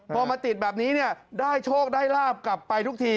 พอมาติดแบบนี้เนี่ยได้โชคได้ลาบกลับไปทุกที